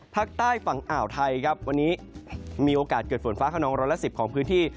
ภาคใต้ฝั่งอ่าวไทยครับวันนี้มีโอกาสเกิดฝนฟ้าขนองร้อยละ๑๐ของพื้นที่